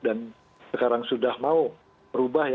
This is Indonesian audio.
dan sekarang sudah mau berubah ya